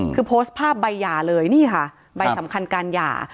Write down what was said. คือโพสต์ภาพใบหย่าเลยนี่ค่ะใบสำคัญการหย่า